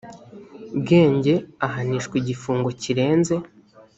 bwenge ahanishwa igifungo kirenze